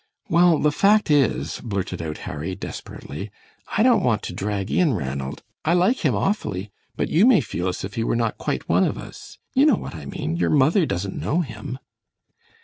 "Well, the fact is," blurted out Harry, desperately, "I don't want to drag in Ranald. I like him awfully, but you may feel as if he were not quite one of us. You know what I mean; your mother doesn't know him."